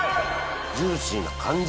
ジューシーな感じ